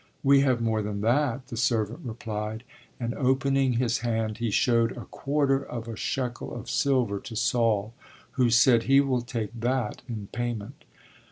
We have more than that, the servant replied, and opening his hand he showed a quarter of a shekel of silver to Saul, who said: he will take that in payment.